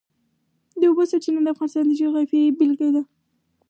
د اوبو سرچینې د افغانستان د جغرافیې بېلګه ده.